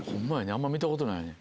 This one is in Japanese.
あんま見たことないね。